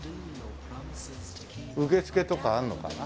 受付とかあんのかな？